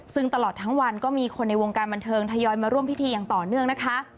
ซึ่งตลอดทั้งวันก็มีคนในวงการบันเทิงทยอยมาร่วมพิธีอย่างต่อเนื่องนะคะ